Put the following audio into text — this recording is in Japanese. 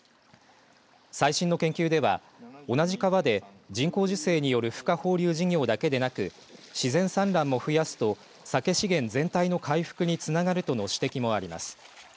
最新の研究では同じ川で人工授精によるふ化放流事業だけでなく自然産卵も増やすとさけ資源全体の回復につながるとの指摘もあります。